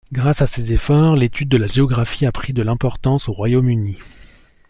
Grâce à ses efforts, l'étude de la géographie a pris de l'importance au Royaume-Uni.